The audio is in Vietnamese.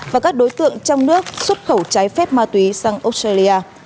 và các đối tượng trong nước xuất khẩu trái phép ma túy sang australia